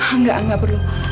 enggak enggak perlu